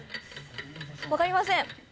わかりません。